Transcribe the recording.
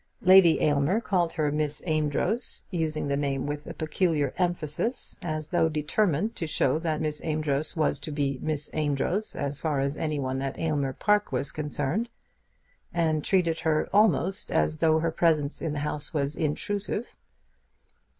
Lady Aylmer called her Miss Amedroz, using the name with a peculiar emphasis, as though determined to show that Miss Amedroz was to be Miss Amedroz as far as any one at Aylmer Park was concerned, and treated her almost as though her presence in the house was intrusive.